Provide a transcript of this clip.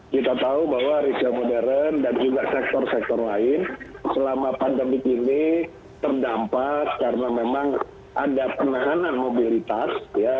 kita tahu bahwa retail modern dan juga sektor sektor lain selama pandemi ini terdampak karena memang ada penanganan mobilitas